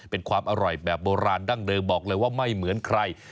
เป็นความอร่อยแบบโบราณดั้งเดิมบอกเลยว่าไม่เหมือนใคร